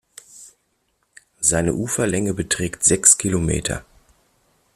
Seine Uferlänge beträgt sechs Kilometer.